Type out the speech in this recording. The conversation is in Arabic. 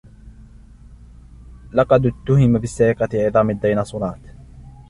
لقد أُتُهم بسرقة عظام الديناصورات.